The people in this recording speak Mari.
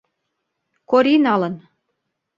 Кори налын.